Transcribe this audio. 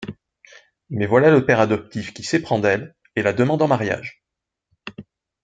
Mais voilà le père adoptif qui s'éprend d'elle et la demande en mariage.